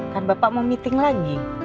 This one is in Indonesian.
kan bapak mau meeting lagi